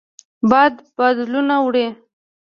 باد بادلونه وړي